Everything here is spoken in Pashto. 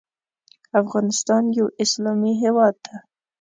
افغانستان یو اسلامې هیواد ده